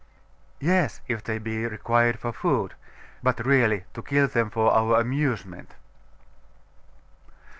'Yes, if they be required for food: but really, to kill them for our amusement!